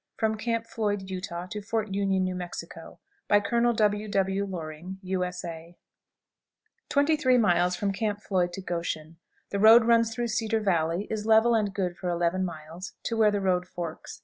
From Camp Floyd, Utah, to Fort Union, New Mexico. By Colonel W. W. LORING, U.S.A. Miles. Camp Floyd to 23. Goshen. The road runs through Cedar Valley; is level and good for 11 miles, to where the road forks.